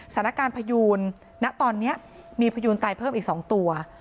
สถานการณ์พยูนณตอนนี้มีพยูนตายเพิ่มอีก๒ตัว